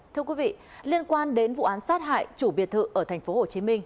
thưa quý vị liên quan đến vụ án sát hại chủ biệt thự ở tp hcm